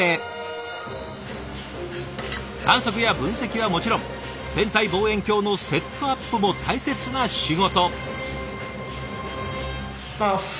観測や分析はもちろん天体望遠鏡のセットアップも大切な仕事。